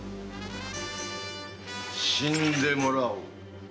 死んでもらおう。